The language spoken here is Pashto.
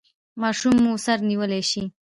ماشوم مو سر نیولی شي؟